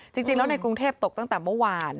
จริงแล้วในกรุงเทพตกตั้งแต่เมื่อวาน